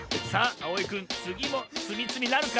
あおいくんつぎもつみつみなるか？